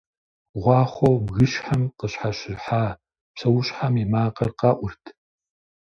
Гъуахъуэу бгыщхьэм къыщхьэщыхьа псэущхьэм и макъыр къэӏурт.